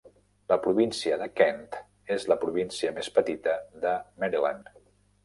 La província de Kent és la província més petita de Maryland.